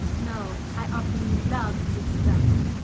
No, I offer you love, Ziska!